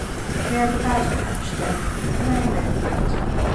We had a bad patch there, and I'm over it.